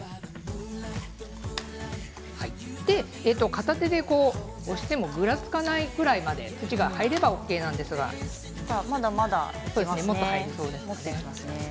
片手で押してもぐらつかないくらいまで土が入ればＯＫなんですがもっと入りそうですね。